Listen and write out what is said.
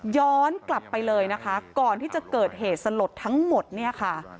ย้อนกลับไปเลยนะคะก่อนที่จะเกิดเหตุสลดทั้งหมดเนี่ยค่ะ